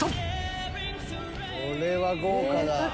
これは豪華だ。